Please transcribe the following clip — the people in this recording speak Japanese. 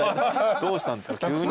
どうしたんですか？